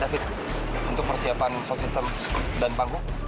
tapi untuk persiapan sound system dan panggung